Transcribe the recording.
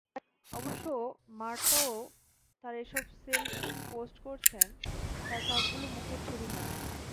অবশ্য মারতাও তাঁর যেসব সেলফি পোস্ট করেছেন, তার সবগুলো মুখের ছবি নয়।